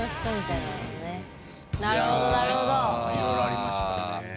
いろいろありましたね。